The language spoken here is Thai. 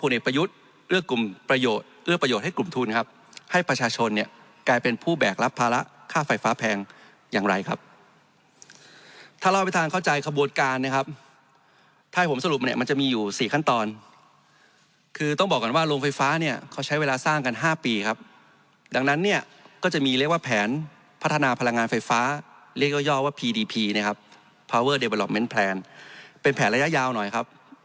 เลือกกลุ่มประโยชน์เลือกประโยชน์ให้กลุ่มทุนครับให้ประชาชนเนี่ยกลายเป็นผู้แบกรับภาระค่าไฟฟ้าแพงอย่างไรครับถ้าเราไปทางเข้าใจขบวนการเนี่ยครับถ้าให้ผมสรุปมาเนี่ยมันจะมีอยู่สี่ขั้นตอนคือต้องบอกกันว่าโรงไฟฟ้าเนี่ยเขาใช้เวลาสร้างกันห้าปีครับดังนั้นเนี่ยก็จะมีเรียกว่าแผนพั